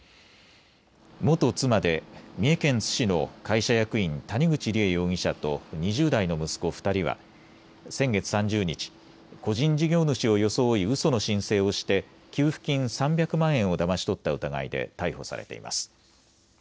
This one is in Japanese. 元妻で三重県津市の会社役員、谷口梨恵容疑者と２０代の息子２人は先月３０日、個人事業主を装いうその申請をして給付金３００万円をだまし取った疑いで逮捕されています。